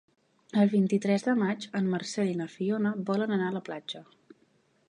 El vint-i-tres de maig en Marcel i na Fiona volen anar a la platja.